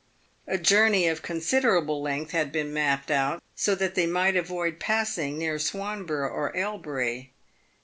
A journey of considerable length had been mapped out so that they might avoid passing near Swanborough or Elbury.